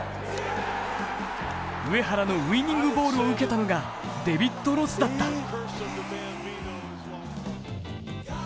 上原のウイニングボールを受けたのがデビッド・ロスだった。